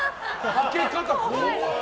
はけ方、怖い。